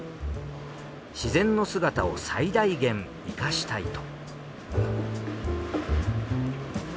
自然の姿を最大限生かしたいと。